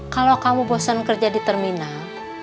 kalau kamu bosan kerja di terminal